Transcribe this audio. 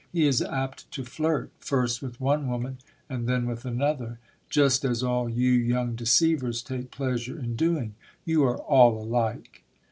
He is apt to flirt, first with one woman, and then with another, just as all you young deceivers take pleasure in doing. You are all alike